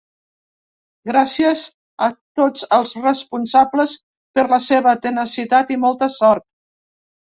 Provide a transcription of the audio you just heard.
Gràcies a tots els responsables per la seva tenacitat i molta sort.